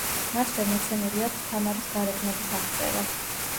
მასვე მოცემული აქვს თამარის გარეგნობის აღწერა.